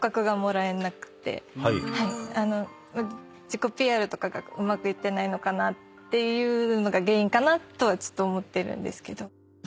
自己ＰＲとかがうまくいってないのかなっていうのが原因かなとはちょっと思ってるんですけど。